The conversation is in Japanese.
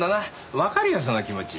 わかるよその気持ち。